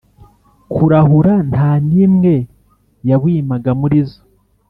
kurahura nta n imwe yawimaga Muri zo